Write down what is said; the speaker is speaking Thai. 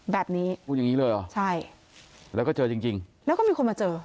แบบนี้อุ้ยอย่างนี้เลยเหรอใช่แล้วก็เจอจริงจริงแล้วก็มีคนมาเจอ